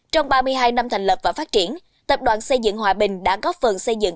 trong ba mươi hai năm thành lập và phát triển tập đoàn xây dựng hòa bình đã góp phần xây dựng